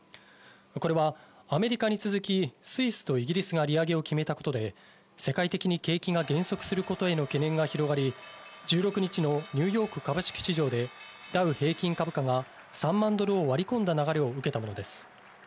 これはアメリカに続き、スイスとイギリスが利上げを決めたことで世界的に景気が減速することへの懸念が広がり、１６日のニューヨーク株式市場でダウ平均株価が３万ドルを割り込んだ流れを受けたものです。